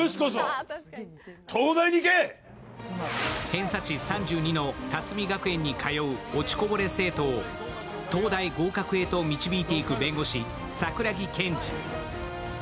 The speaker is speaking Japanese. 偏差値３２の龍海学園に通う落ちこぼれ生徒を東大合格へと導いていく弁護士・桜木建二。